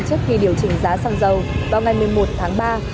trước khi điều chỉnh giá xăng dầu vào ngày một mươi một tháng ba